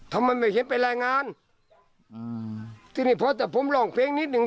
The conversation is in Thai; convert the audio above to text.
ทำไมไม่เห็นไปรายงานอืมทีนี้พอแต่ผมร้องเพลงนิดหนึ่ง